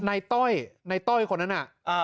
ต้อยในต้อยคนนั้นน่ะ